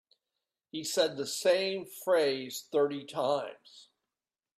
He said the same phrase thirty times.